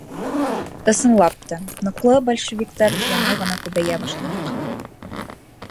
Ысынлап та, ныҡлы большевиктар яңы ғына күбәйә башланыҡ.